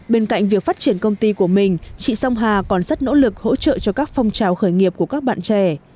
bên cạnh việc phát triển công ty của mình chị song hà còn rất nỗ lực hỗ trợ cho các phong trào khởi nghiệp của các bạn trẻ